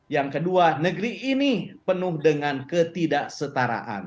yang kedua negeri ini penuh dengan ketidak setaraan